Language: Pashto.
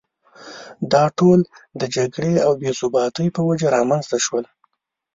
دا ټول د جګړې او بې ثباتۍ په وجه رامېنځته شول.